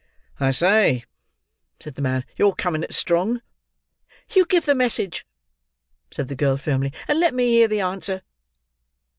"I say," said the man, "you're coming it strong!" "You give the message," said the girl firmly; "and let me hear the answer."